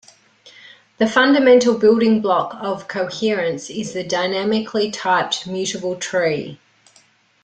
The fundamental building block of Coherence is the dynamically typed mutable tree.